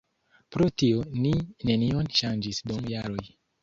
Pro tio ni nenion ŝanĝis dum jaroj.